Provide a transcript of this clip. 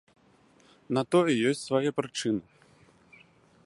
На тое ёсць свае прычыны.